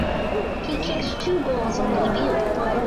He kicked two goals on debut.